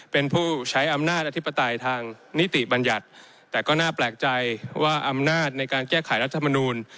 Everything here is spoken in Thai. เป็นผู้ใช้อำนาจอธิปไตยทางนิติบัญญัติแต่ก็น่าแปลกใจว่าอำนาจในการแก้ไขรัฐมนูล